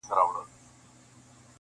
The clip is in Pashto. • خدای انډیوال که جانان څۀ ته وایي..